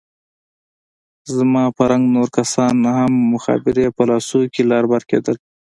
زما په رنګ نور کسان هم مخابرې په لاسو کښې لر بر کېدل.